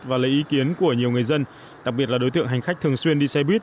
và lấy ý kiến của nhiều người dân đặc biệt là đối tượng hành khách thường xuyên đi xe buýt